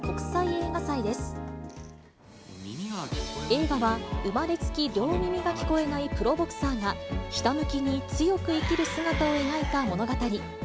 映画は、生まれつき両耳が聞こえないプロボクサーが、ひたむきに強く生きる姿を描いた物語。